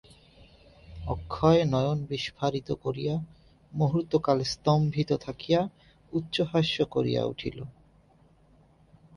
অক্ষয় নয়ন বিস্ফারিত করিয়া মুহূর্তকাল স্তম্ভিত থাকিয়া উচ্চহাস্য করিয়া উঠিল।